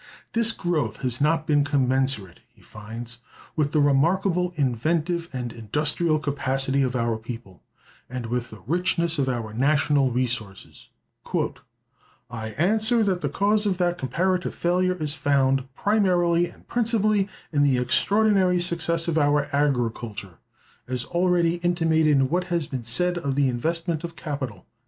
This growth has not been commensurate, he finds, with the remarkable inventive and industrial capacity of our people, and with the richness of our national resources: "I answer that the cause of that comparative failure is found, primarily and principally, in the extraordinary success of our agriculture, as already intimated in what has been said of the investment of capital.